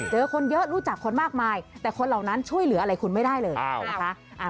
คนเยอะรู้จักคนมากมายแต่คนเหล่านั้นช่วยเหลืออะไรคุณไม่ได้เลยนะคะ